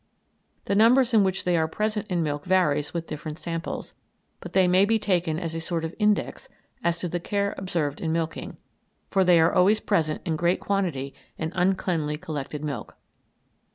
The numbers in which they are present in milk varies with different samples; but they may be taken as a sort of index as to the care observed in milking, for they are always present in great quantity in uncleanly collected milk.